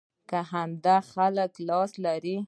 کې همدا خلک لاس لري.